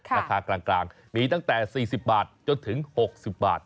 ราคากลางมีตั้งแต่๔๐บาทจนถึง๖๐บาท